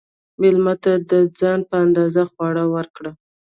مېلمه ته د ځان په اندازه خواړه ورکړه.